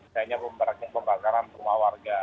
sayangnya memperlakukan pembakaran rumah warga